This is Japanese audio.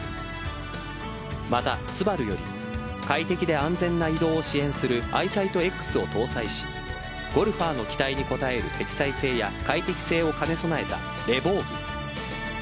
また、ＳＵＢＡＲＵより快適で安全な移動を支援するアイサイトＸを搭載しゴルファーの期待に応える積載性や快適性を兼ね備えたレヴォーグ。